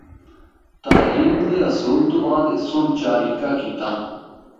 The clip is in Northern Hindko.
تعلیم دے حصول تو بعد اس سنڑ چاریکا کیتا۔